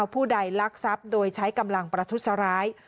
ผู้ใดลักทรัพย์โดยใช้กำลังประทุษร้าย